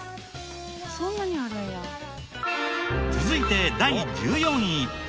続いて第１４位。